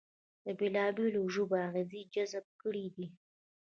د بېلابېلو ژبو اغېزې جذب کړې دي